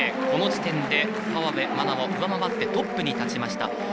この時点で河辺愛菜を上回ってトップに立ちました。